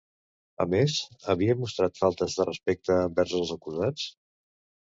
A més, havia mostrat faltes de respecte envers els acusats?